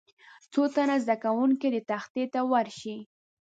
څو تنه زده کوونکي دې تختې ته ورشي.